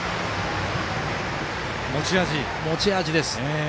持ち味です。